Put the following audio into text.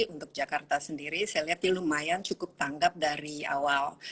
untuk jakarta sendiri saya lihat ini lumayan cukup tanggap dari awal